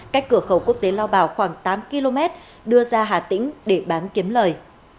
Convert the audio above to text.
cách cửa khẩu quốc tế lao bảo khoảng tám km đưa ra hà tĩnh để bán kiếm lời